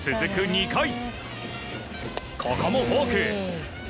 ２回、ここもフォーク。